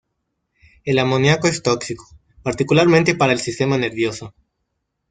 El amoníaco es tóxico, particularmente para el sistema nervioso.